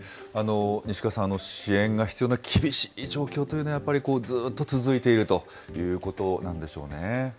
西河さん、支援が必要な厳しい状況というのはやっぱり、ずっと続いているということなんでしょうね。